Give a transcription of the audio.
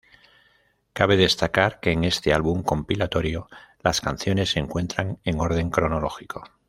Cabe destacar que en este álbum compilatorio las canciones se encuentran en orden cronológico.